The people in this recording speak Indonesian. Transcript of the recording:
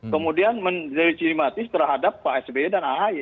kemudian mendirimatis terhadap pak sby dan ahy